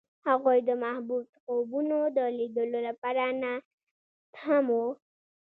هغوی د محبوب خوبونو د لیدلو لپاره ناست هم وو.